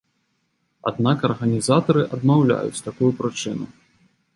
Аднак арганізатары адмаўляюць такую прычыну.